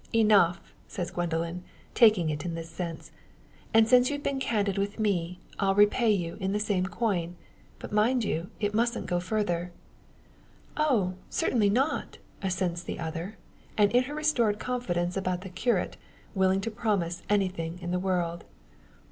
"Enough!" says Gwendoline, taking it in this sense; "and, since you've been candid with me, I'll repay you in the same coin. But mind you; it mustn't go further." "Oh! certainly not," assents the other, in her restored confidence about the curate, willing to promise anything in the world.